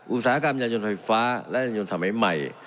อุตสาหกรรมยานยนต์ไฟฟ้าและยานยนต์สมัยใหม่